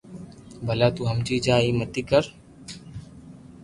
ڀلا تو ھمجي جا ايم متي ڪر